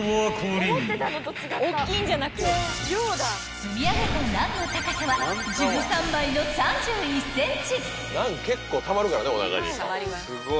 ［積み上げたナンの高さは１３枚の３１ｃｍ］